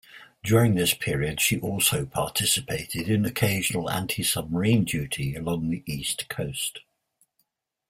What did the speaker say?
During this period, she also participated in occasional anti-submarine duty along the East coast.